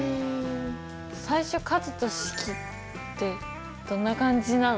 最初「数と式」ってどんな感じなの？